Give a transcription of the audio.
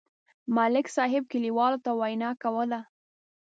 ملک صاحب کلیوالو ته وینا کوله.